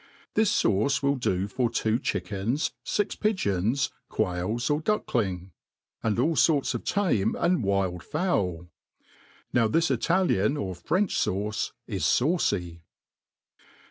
This faucc will do for two chickens, fix pigeons, quails, or ducklins, and all forts of tame and wild fowl. Now this Italian or French fauce, is faucy.